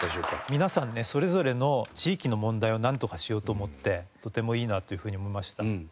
皆さんねそれぞれの地域の問題をなんとかしようと思ってとてもいいなというふうに思いました。